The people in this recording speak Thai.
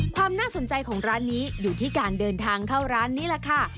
ความน่าสนใจของร้านนี้อยู่ที่การเดินทางเข้าร้านนี้แหละค่ะ